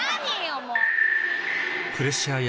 プレッシャーや